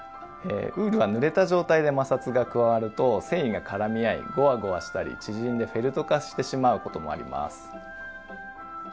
ウールはぬれた状態で摩擦が加わると繊維が絡み合いごわごわしたり縮んでフェルト化してしまうこともあります。